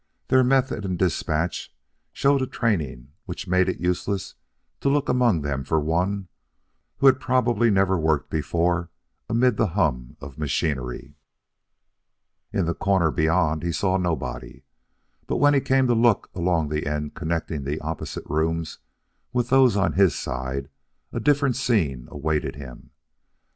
Their method and despatch showed a training which made it useless to look among them for one who had probably never worked before amid the hum of machinery. In the corner beyond he saw nobody, but when he came to look along the end connecting the opposite rooms with those on his side, a different scene awaited him.